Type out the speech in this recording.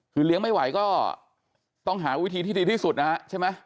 คือเลี้ยงไม่ไหวก็ต้องหาวิธีที่ดีที่สุดนะฮะใช่ไหม